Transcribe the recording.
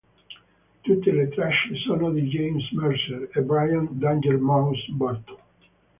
Tutte le tracce sono di James Mercer e Brian "Danger Mouse" Burton.